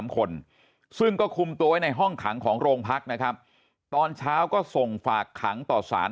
๓คนซึ่งก็คุมตัวไว้ในห้องขังของโรงพักนะครับตอนเช้าก็ส่งฝากขังต่อสาร